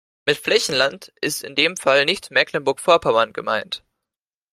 Mit Flächenland ist in dem Fall nicht Mecklenburg-Vorpommern gemeint.